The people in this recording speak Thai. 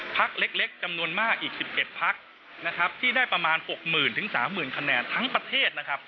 พักเล็กจำนวนมากอีก๑๑พักนะครับที่ได้ประมาณ๖๐๐๐๓๐๐คะแนนทั้งประเทศนะครับ